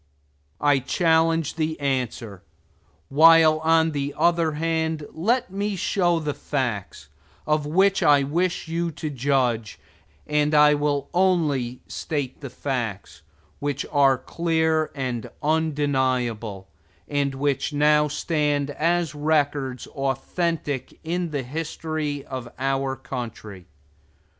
I challenge the answer. While, on the other hand, let me show the facts, of which I wish you to judge, and I will only state facts which are clear and undeniable, and which now stand as records authentic in the history of our country.